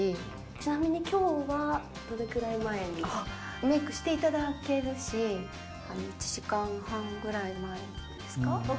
ちなみにきょうは、どれくらメークしていただけるし、１時間半ぐらい前ですか。